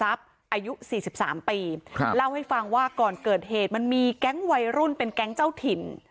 อายุ๔๓ปีเล่าให้ฟังว่าก่อนเกิดเหตุมันมีแก๊งวัยรุ่นเป็นแก๊งเจ้าถิ่น